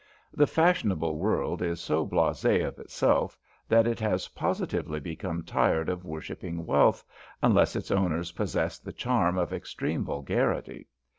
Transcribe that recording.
The fashionable world is so blasé of itself that it has positively become tired of worshipping wealth, unless its owners possess the charm of extreme vulgarity.